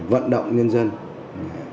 vận động nhân dân